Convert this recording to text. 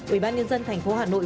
ủy ban nhân dân thành phố hà nội